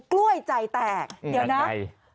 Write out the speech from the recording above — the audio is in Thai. กล้วยใจแตกเดี๋ยวนะ